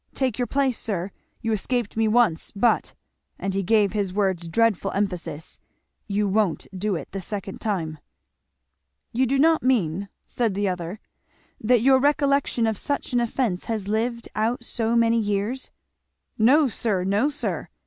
Take your place, sir! You escaped me once, but" and he gave his words dreadful emphasis, "you won't do it the second time!" "You do not mean," said the other, "that your recollection of such an offence has lived out so many years?" "No sir! no sir!"